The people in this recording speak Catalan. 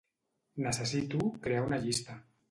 Necessito crear una llista.